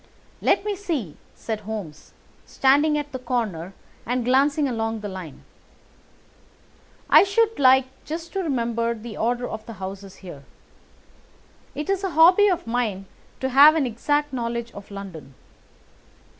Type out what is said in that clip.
"Let me see," said Holmes, standing at the corner and glancing along the line, "I should like just to remember the order of the houses here. It is a hobby of mine to have an exact knowledge of London.